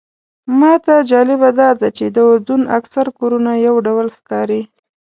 ماته جالبه داده چې د اردن اکثر کورونه یو ډول ښکاري.